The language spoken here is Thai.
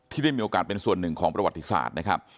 ได้มีโอกาสเป็นส่วนหนึ่งของประวัติศาสตร์นะครับ